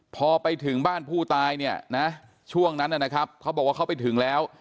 พอไปถึงบ้านผู้ตายเนี่ยนะช่วงนั้นนะครับเขาบอกว่าเขาไปถึงแล้ว